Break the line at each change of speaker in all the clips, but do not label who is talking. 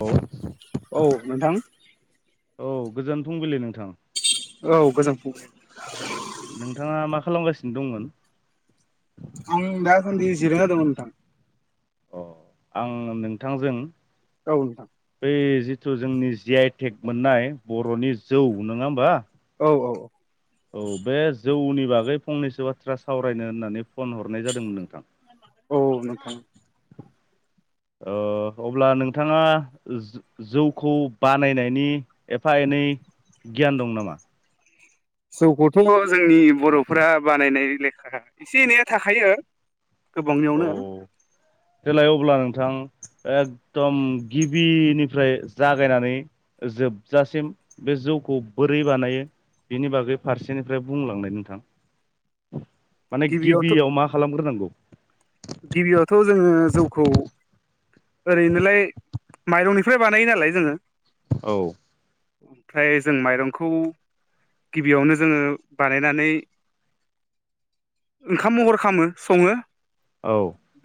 औ।
औ नोंथां।
औ गोजोन फुंबिलि नोंथां।
औ गोजोन फुं।
नोंथाङा मा खालामगासिनो दंमोन?
आं दासान्दि जिरायना दं नोंथां।
अ आं नोंथांजों
औ नोंथां।
बै जिथु जोंनि जि आइ टेक मोननाय बर'नि जौ नङा होमबा?
औ औ औ।
औ बे जौनि बागै फंनैसो बाथ्रा सावरायनो होननानै फन हरनाय जादोंमोन नोंथां।
औ औ नोंथां।
ओ अब्ला नोंथाङा जो जौखौ बानायनायनि एफा एनै गियान दं नामा?
जौखौथ' जोंनि बर'फोरा बानायनाय लेखा एसे एनैया थाखायो गोबांनियावनो।
औ देलाय अब्ला नोंथां एकदम गिबिनिफ्राय जागायनानै जोबजासिम बे जौखौ बोरै बानायो बिनि बागै फारसेनिफ्राय बुंलांनाय नोंथां। माने
गिबियावथ'
गिबियाव मा खालामग्रोनांगौ?
गिबियावथ' जोङो जौखौ ओरैनोलाय माइरंनिफ्राय बानायो नालाय जोङो।
औ।
ओमफ्राय जों माइरंखौ गिबियावनो जोङो बानायनानै ओंखाम महर खामो सङो।
औ।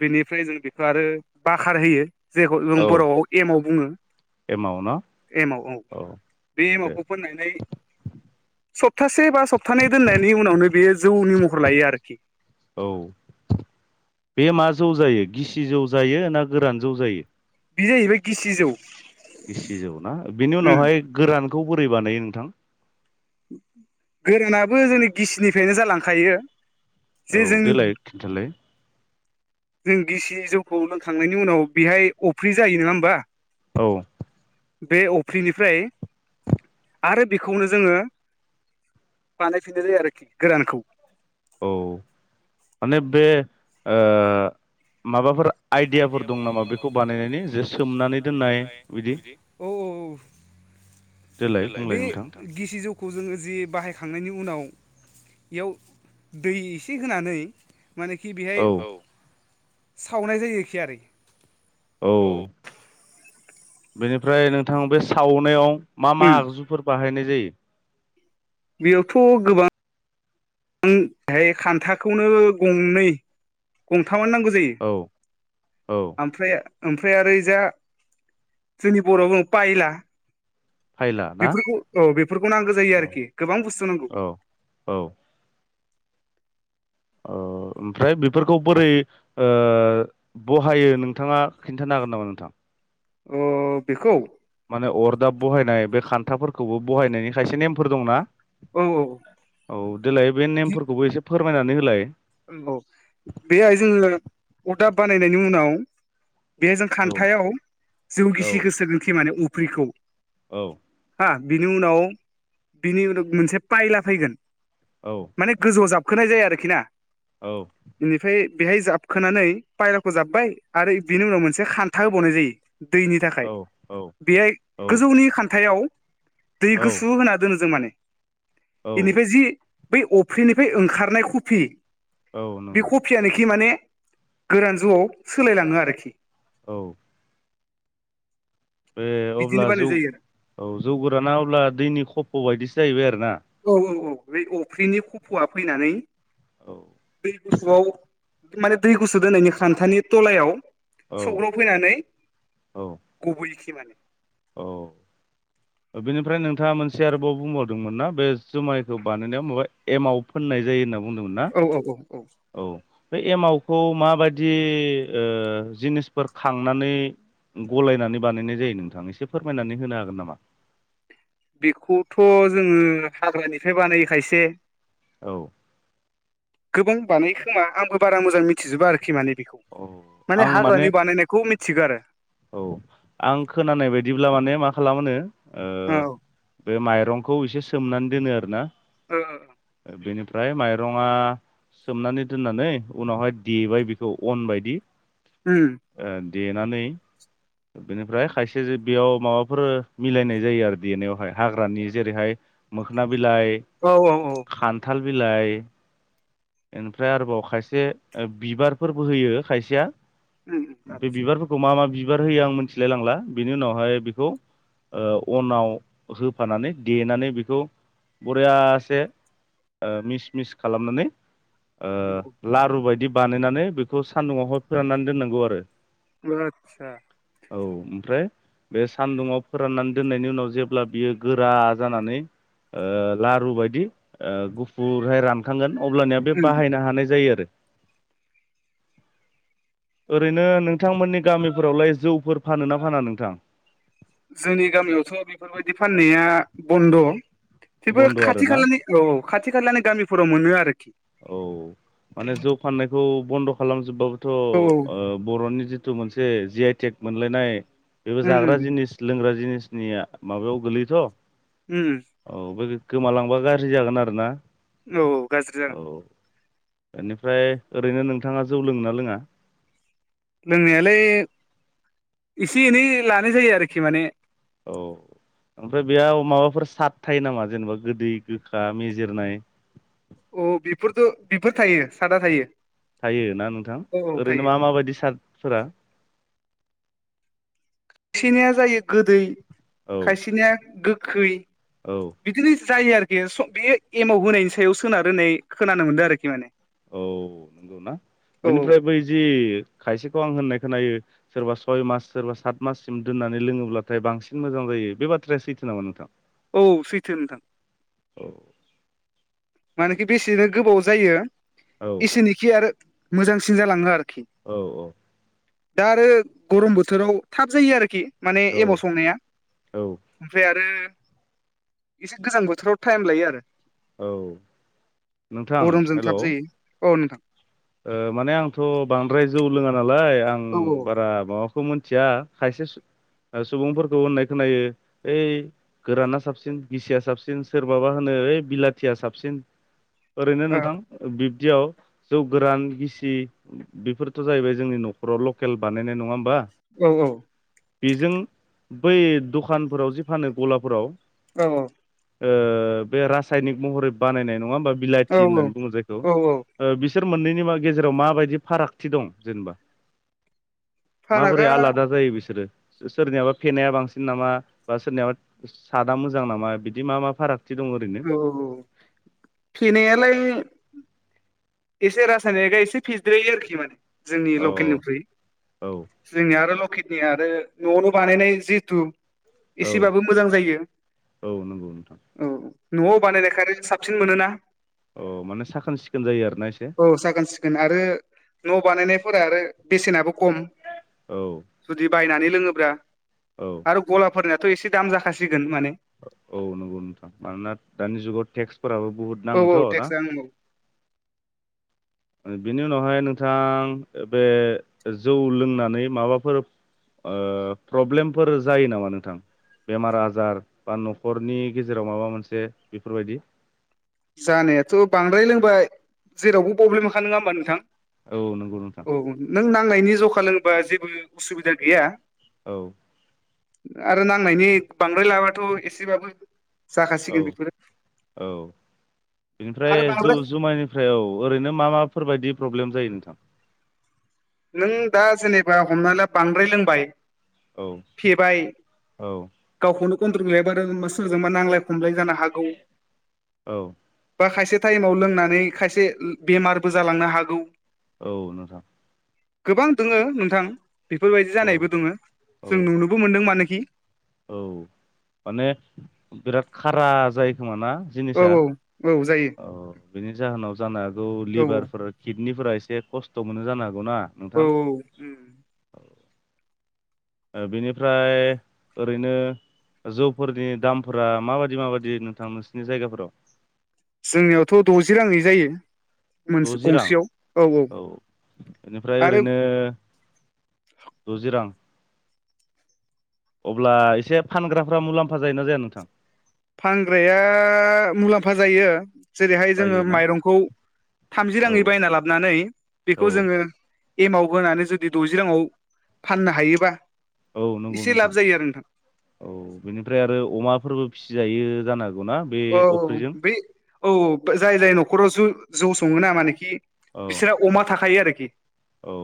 बेनिफ्राय जों बेखौ आरो बाखार होयो जेखौ जों
औ
बर'आव एमाव बुङो।
एमाव न
एमाव औ। बे
दे
एमावखौ फाननानै सप्तासे बा सप्तानैै दोननायनि उनावनो बेयो जौनि महर लायो आरोखि।
औ। बे मा जौ जायो गिसि जौ जायो ना गोरान जौ जायो?
बे जाहैबाय गिसि जौ।
गिसि जौ ना, बिनि
उम
उनावहाय गोरानखौ बोरै बानायो नोंथां?
गोरानाबो जोंनि गिसिनिफ्रायनो जालांखायो। जे
औ
जों
देलाय खिन्थालाय।
जों गिसि जौखौ लोंखांनायनि उनाव बेहाय अफ्रि जायो नङा होमबा
औ
बे अफ्रिनिफ्राय आरो बेखौनो जोङो बानायफिना जायो आरोखि गोरानखौ
औ माने बे ओ माबाफोर आइडियाफोर दं नामा बेखौ बानायनायनि जे सोमनानै दोननाय बिदि?
औ
देलाय
औ
बुंलाय
बे
नोंथां।
गिसि जौखौ जोङो जि बाहायखांनायनि उनाव बेयाव दै एसे होनानै मानेखि बेहाय औ सावनाय जायो एखि आरो
औ बेनिफ्राय नोंथां बे सावनायाव मा मा
उम
आगजुफोर बाहायनाय जायो
बेयावथ' गोबां बां बेहाय खान्थाखौनो गंनै गंथामानो नांगौ जायो
औ औ
ओमफ्राय ओमफ्राइ ओरै जा जोंनि बर'आवबो बायला
फायला ना
बेफोरखौ औ बेफोरखौ नांगौ जायो
औ
आरोखि गोबां बुस्थु नांगौ
औ औ औ ओमफ्राय बेफोरखौ बोरै ओ बहायो नोंथाङा खिन्थानो हागोन नामा नोंथां
ओ बेखौ
माने अरदाब बहायनाय बे खान्थाफोरखौबो बहायनायनि खायसे नेमफोर दंना
औ
[inaudible] औ देलाय बे नेमफोरखौबो एसे फोरमायनानै होलाय
औ बेहाय जोङो अरदाब बानायनायनि उनाव बे जों
औ
खान्थायाव जौ
औ
गिसिखौ सोनोथि माने उफ्रिखौ
औ
हा बिनि उनाव बिनि उनाव मोनसे फायला फैगोन
औ
माने गोजौआव जाबखोनाय जाया आरोखि ना
औ
बेनिफ्राय बेहाय जाबखोनानै फायलाखौ जाब्बाय आरो बिनि उनाव मोनसे खान्था होबावनाय जायो दैनि थाखाय
औ
बेहाय
औ
गोजौनि खान्थायाव दै
औ
गुसु होना दोनो जों माने
औ
इनिफ्राय जि बै अफ्रिनिफ्राय ओंखारनाय कफि
औ नंगौ
अफ्रियानोखि माने गोरान जौआव सोलायलाङो आरोखि
औ बे
बिदिनो
अब्ला
बानाय
जौ
जायो आरो
औ जौ गुराना अब्ला दैनि खफ' बायदिसो जाहैबाय आरो ना
औ औ औ बे अफ्रिनि खफ'आ फैनानै
औ
[unintelligible] माने दै गुसु दोननायनि खान्थानि थलायाव
औ
स फैनानै
औ
गबैयखि माने
औ बेनिफ्राय नोंथाङा मोनसे आरोबाव बुंबावदोंमोन ना बे जुमायखौ बानायनाया माबा एमव फोननाय जायो होनना बुंदोंमोन ना
औ औ औ औ
औ बे एमावखौ माबायदि ओ जिनिसफोर खांनानै गलायनानै बानायनाय जायो नोंथां एसे फोरमायनानै होनो हागोन नामा
बेखौथ' जोङो हाग्रानिफ्राय बानायो खायसे
औ
गोबां बानायखोमा आंबो बारा मोजां मिथिजोबा आरोखि माने बेखौ
औ
माने हाग्रानि बानायनायखौ मिथिगौ आरो
औ आं खोनानाय बायदिब्ला माने मा खालामोनो ओ
आरो
बे माइरंखौ एसे सोमनानै दोनो आरोना बेनिफ्राय माइरङा सोमनानै दोननानै उनावहाय देबाय बेखौ अन बायदि
होम
ओ देनानै बेनिफ्राय खायसे बेयाव माबाफोर मिलायनाय जायो आरो देनायावहाय हाग्रानि जेरैहाय मोखोना बिलाइ
औ औ औ
खान्थाल बिलाइ ओनिफ्राय आरोबाव खायसे बिबारफोरबो होयो खायसेया
उम
बे
आदसा
बिबारफोरखौ मा मा बिबार होयो आं मिथिलाय लांला बेनि उनावहाय बेखौ ओ अनाव होफानानै देनानै बेखौ बरियासे ओ मिस मिस खालामनानै ओ लारु बायदि बानायनानै बेखौ सान्दुङावहाय फोराननानै दोननांगौ आरो
आतसा
औ ओमफ्राय बे सान्दुंङाव फोराननानै दोननायनि उनाव जेब्ला बियो गोरा जानानै ओ लारु बायदि गुफुर हराम गोन अब्लानिया बे
उम
बाहायनो हानाय जायो आरो ओरैनो नोंथांमोननि गामि फोरावलाय जौफोर फानो ना फाना नोंथां
जोंनि गामियावथ' बेफोरबायदि फाननाया बन्द' थेवबो
बन्द' आरो
खाथि
ना
खालानि औ खाथि खाललाानो गामिफोराव मोनो आरोखि
औ माने जौ फान्नायखौ बन्द' खालामजोबबाबोथ'ओ
औ औ
बर'नि जिथु जिथु मोनसे जि आइटेक मोनलायनाय बेबो
उम
जाग्रा जिनिस लोंग्रा जिनिसनिया माबायाव गोलैयोथ'
ओम
औ बे गोमालांबा गाज्रि जागोन आरो ना
औ औ गाज्रि जागोन
बेनिफ्राय ओरैनो नोंथाङा जौ लोङो ना लोङा
लोंनायालाय एसे एनै लानाय जायो आरोखि माने
औ ओमफ्राय बेयाव माबाफोर सारथाय नामा जेनेबा गोदै गोखा मेजेरनाय
अ बेफोरथ' बेफोर थायो सादा थायो
थायोना नोंथां
औ औ
ओरैनो
थायो
मा माबायदि सार्फोरा
खायसेनिया जायो गोदै
औ
खायसेनिया गोखै
औ
बिदिनो जायो आरोखि बे एमाव होनायनि सायाव सोनार होननाय खोनानो मोन्दों आरोखि माने
औ नंगौनाा
औ
बेनिफ्राय बै जि खायसेखौ आं होननाय खोनायो सोरबा सय मास सोरबा सात माससिम दोननानै लोङोब्लाथाय बांसिन मोजां जायो बे बाथ्राया सैथो नामा नोंथां
औ सैथो नोंथां
औ
मानोखि बेसेनो गोबाव जायो
औ
इसेरनिखि आरो मोजांसिन जालाङो आरोखि
औ औ
दा आरो गरम बोथोराव थाब जायो आरोखि माने एमाव
औ
संनाया
औ
ओमफ्राय आरो एसे गोजां बोथोराव टाइम लायो आरो
औ नोंथां
गरमजों
हेल'
थाब जायो औ नोंथां
ओ माने आंथ' बांद्राय जौ लोङा नालाय आं
औ
बारा माबा खौ मिथिया खायसे सुबुंफोरखौ होननाय खोनायो ओइ गोराना साबसिन गिसिया साबसिन सोरबाबा होनो ओइ बिलाथिया साबसिन ओरैनो
औ
नोंथां बिब्दियाव जौ गोरान गिसि बेफोरथ' जाहैबाय जोंनि न'खराव लकेल बानायनाय नङा होमबा
औ औ
बेजों बै दखानफोराव जि फानो गलाफोराव
औ औ
बे रासायनिक महरै बानायनाय नङा होमबा बिलाइथि
औ
होननानै बुङो जायखौ
औ औ औ
बिसोर मोननैनि मा गेजेराव माबायदि फारागथि दं जेनेबा माबोरै
फारागा
आलादा जायो बिसोरो सोरनियाबा फेनाया बांसिन नामा बा सोरनियाबा सादा मोजां नामा बिदि मा मा फारागथि दंओरै
औ फेनायालाय एसे रासायनिकआ एसे फिद्रयो आरोखि माने जोंनि
औ
लकेलनिफ्रायुइ
औ
जोंनिया आरो लकेल नि आरो न'नो बानायनाय जिथु
औ
एसेबाबो मोजां जायो
औ नंगौ नोंथां
औ न'आव बानायनायखाय साबसिन मोनोना
अ माने साखोन सिखोन जायो आरोोना एसे
औ जागोन सिगोन आरो न' बानायनायफोरा आरो बेसेनाबो खम
औ
जुदि बायनानै लोङोब्रा
औ
आरो गलाफोरनिथ' एसे दाम जाखासिगोन माने
औ नंगौ नोंथां मानोना दानि जुगाव टेक्सफोराबो बहुत
औ औ टेक्स आ नंबौ
बिनि उनावहाय नोंथां बे जौ लोंनानै माबाफोर प्रब्लेमफोर जायो नामा नोंथां बेमार आजार बा न'खरनि गेजेराव माबा मोनसे बेफोरबायदि
जानायाथ' बांद्राय लोंबाय जेरावबो प्रब्लेमखा नङा होमबा नोंथां
औ नंगौ नोंथां
औ नों नांनायनि जखा लोबा जेबो उसुबिदा गैया
औ
आरो नांनायनि बांद्राय लाबाथ' एसेबाबो
औ
जाखासिगोन बेफोरो
औ
आरो
बेनिफ्राय जौ
बांद्राय
जुमायानिफ्राय ओमफ्राय औ ओरैनो मा माफोरबायदि प्रब्लेम जायो नोंथां
नों दा जेनेबा हमनानै ला बांद्राय लोंबाय
औ
फेबाय
औ
गावखौनो गन्न्द्रल मिलायबा आरो सोरजोंबा नांलाय खमलाय जानो हागौ
औ
बा खायसे टाइमाव लोंनानै खायसे बेमारबो जालांनो हागौ
औ नोंथां
गोबां दङो नोंथां बेफोरबायदि
औ
जानायबो दङो
औ
जों नुनोबो मोनदों मानोखि
औ माने बिराद खारा जायो खोम ना
औ
जिनिसा
औ औ जायो
औ बिनि जाहोनाव जानो हागौ
औ
लिभारफोर किडनिफोरा एसे खस्थ' मोनो जानो हागौना नोंथां
औ
बेनिफ्राय ओरैनो जौफोरनि दामफोरा माबायदि माबायदि नोंथां नोंसोरनि जायगाफोराव
जोंनियावथ' द'जि राङै जायो
द'जि रां औ बेनिफ्राय
आरो
ओरैनो रुजि रां अब्ला एसे फानग्राफ्रा मुलाम्फा जायोना जाया नोंथां
फानग्राया मुलाम्फा जायो जेरैहाय जोङो
जायोना
माइरंखौ थामजि
औ
राङै बायना लाबोनानै
औ
बेखौ जोङो एमाव होनानै जुदि द'जि राङाआव फाननो हायोबा
औ नंगौ
एसे लाब
नोंथां
जायो आरो नोंथां
औ बेनिफ्राय आरो अमाफोरबो फिसिजायो जानो हागौ ना
औ औ बे औ जाय जाय न'खराव ज जौ सङो ना मानोेखि
औ
बिसोराव अमा थाखायो आरोखि
औ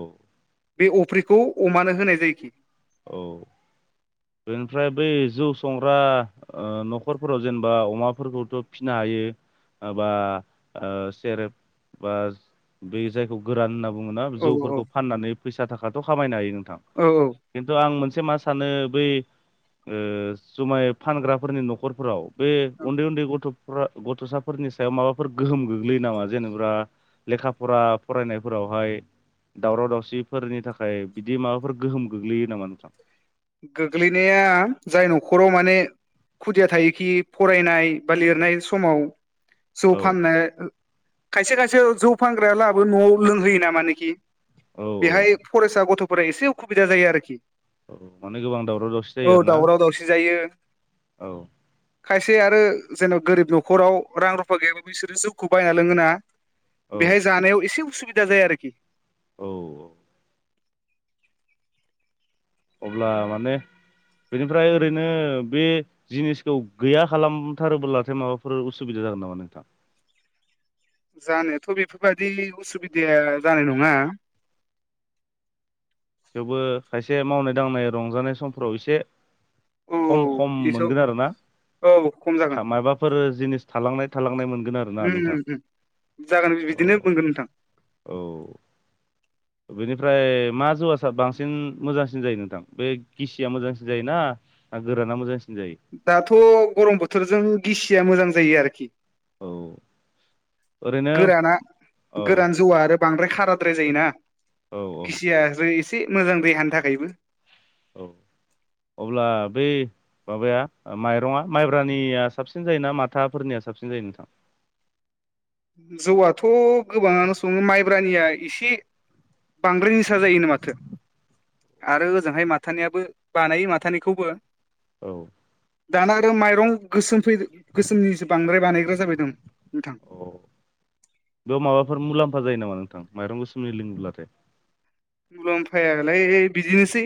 बे अफ्रिखौ अमानो होनाय जायोखि
औ बेनिफ्राय बै जौ संग्रा ओ न'खरफोराव जेनेबा अमाफोरखौथ' फिसिनो हायो। बा सेरेब बा बे जायखौ गोरान होनना बुङोना
औ
जौफोरखौ फाननानै फैसा थाखाथ' खामायनो हायो नोंथां
औ औ
खिन्थु आं मोनसे मा सानो बै ओ जुमाय फानग्राफोरनि न'खरफोराव बे उन्दै उन्दै गथ'फ्रा गथ'साफोरनि सायाव माबाफोर गोहोम गोग्लैयो नामा जेनेबा लेखा फरा फरायनायफोरावहाय दावराव दावसिफोरनि थाखाय बिदि माबाफोर गोहोम गोग्लैयो नामा नोंथां
गोग्लैनाया जाय न'खराव माने खुदिया थायोखि फरायनाय बा लिरनाय समाव जौ
औ
फाननाय खायसे खायसे जौ फानग्राय लाबो न'आव लोंहोयो नामानोखि
औ
बेहाय फरायसा गथ'फोरा एसे उसुबिदा जायो आरोखि
औ माने गोबां दावराव दावसि जायो
औ
आरोना
दावराव दावसि जायो
औ
खायसे आरो जेनेबा गोरिब न'खराव रां रुफा गैयाब्लाो बिसोरो जिउखौ बायना लोङोना
[inaudible]
बेहाय जानायाव एसे उसुबिदा जाया आरोखि
औ अब्ला माने बेनिफ्राय ओरैनो बे जिनिसखौ गैया खालामथारोब्लाथाय माबाफोर उसुबिदा जागोन नामा नोंथाङां
जानायाथ' बेफोरबायाददि उसुबिदाया जानाय नङा।
थेवबो खायसे मावनाय दांनाय रंजानाय समफोराव एसे
औ
खम खम
एसआव
मोनगोन आरो ना
औ खम जा
माबाफोर जिनिस थालांनाय थालांनाय मोनगोन आरो ना
उम उम
नोंथां
उम जागोन बिदिनो बुंगोन नोंथां
औ बेनिफ्राय मा जौवा बांसिन मोजांसिन जायो नोंथां बे गिसिया मोजांसिन जायोना गोराना मोजांसिन जायो।
दाथ' गरम बोथोरजों गिसिया मोजां जायो आरोखि
औ ओरैनो
गोराना
औ
गोरान जौआ आरो बांद्राय खाराद्राय जायोना
औ औ
गिसिया जै एसे मोजां दैहानि थाखायबो
औ अब्ला बै माबाया माइरङआ माइब्रानिया साबसिन जायोना माथाफोरनिया साबसिन जायो नोंथां
जौआथ' गोबाङानो सङो माइब्रानिया एसे बांद्राय निसा जायोनो माथो आरो ओजोंहाय माथानियाबो बानायो माथानिखौबो
औ
दाना आरो माइरं गोसोम फै गोसोमनिसो बांद्राय बानायग्रा जाबाय दं नोंथां
अ बेयाव माबाफोर मुलाम्फा जायो नामा नोंथां माइरं गोस लोंङोब्लाथाय
मुलाम्फायालै बिदिनोसै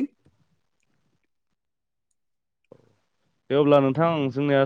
देव अब्ला नोंथां जोंनिया